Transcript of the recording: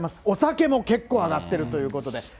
お酒も結構上がってるっていうことで。